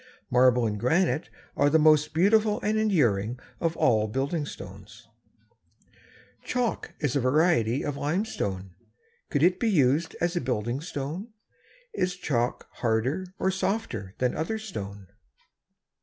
Marble and granite are the most beautiful and enduring of all building stones. Chalk is a variety of limestone. Could it be used as a building stone? Is chalk harder or softer than other stone?